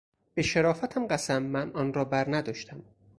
به شرافتم قسم من آن را برنداشتم.